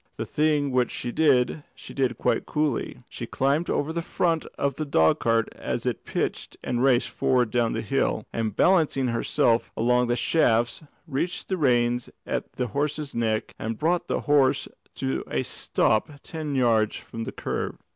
The thing which she did, she did quite coolly. She climbed over the front of the dog cart as it pitched and raced down the hill, and balancing herself along the shafts, reached the reins at the horse's neck, and brought the horse to a stop ten yards from the curve.